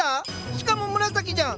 しかも紫じゃん。